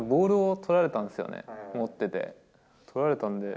取られたんで。